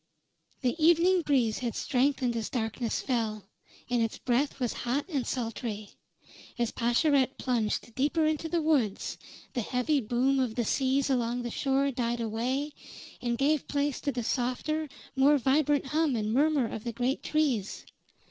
The evening breeze had strengthened as darkness fell, and its breath was hot and sultry. As Pascherette plunged deeper into the woods, the heavy boom of the seas along shore died away and gave place to the softer, more vibrant hum and murmur of the great trees.